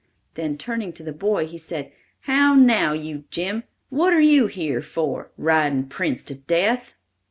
Then turning to the boy he said, "How now, you Jim, what are you here for, riding Prince to death?"